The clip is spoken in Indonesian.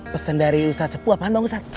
pesen dari ustadz sepu apaan bang ustadz